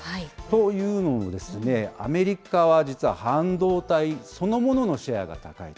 というのも、アメリカは実は、半導体そのもののシェアが高い。